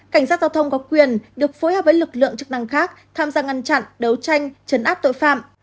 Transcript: cảnh sát giao thông có quyền được phối hợp với lực lượng chức năng khác tham gia ngăn chặn đấu tranh chấn áp tội phạm